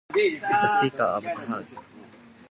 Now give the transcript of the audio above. The speaker of the House of Commons was John Allen Fraser.